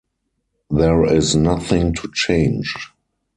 There is nothing to change